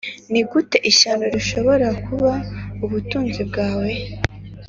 nigute ishyano rishobora kuba ubutunzi bwawe